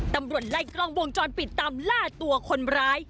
ตำรวจไล่กล้องวงจรปิดตามล่าตัวคนร้าย